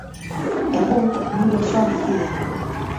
Egun, mundu osoan bizi da.